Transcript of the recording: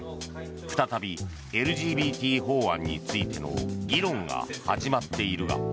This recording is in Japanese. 再び、ＬＧＢＴ法案についての議論が始まっているが。